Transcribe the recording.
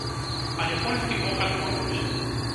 Але польскі бок адмовіўся.